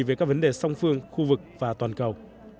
về các vấn đề song phương khu vực và toàn cầu